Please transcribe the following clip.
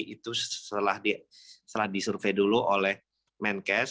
itu setelah disurvei dulu oleh umkm